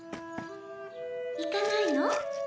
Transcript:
行かないの？